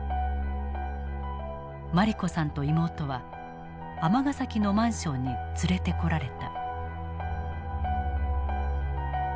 茉莉子さんと妹は尼崎のマンションに連れてこられた。